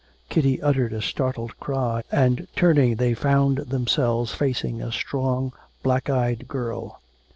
Kitty uttered a startled cry and turning they found themselves facing a strong black eyed girl.